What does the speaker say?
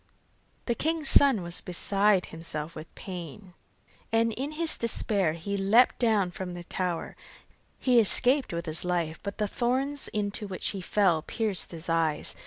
The king's son was beside himself with pain, and in his despair he leapt down from the tower. He escaped with his life, but the thorns into which he fell pierced his eyes.